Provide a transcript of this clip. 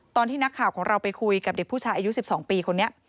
ตอนที่นักข่าวของเราไปคุยกับเด็กผู้ชายอายุ๑๒ปีคนนี้